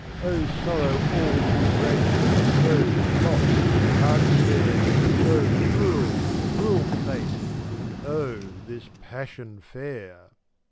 Oh, sorrow all too great, Oh, lot too hard to bear, Oh, cruel, cruel fate, And oh, this passion fair!